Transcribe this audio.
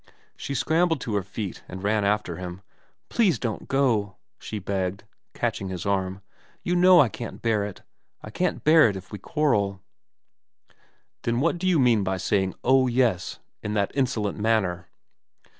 She scrambled to her feet and ran after him. ' Please don't go,' she begged, catching his arm. ' You know I can't bear it, I can't bear it if we quarrel '' Then what do you mean by saying " Oh yes," in that insolent manner